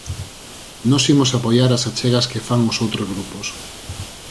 Nós imos apoiar as achegas que fan os outros grupos.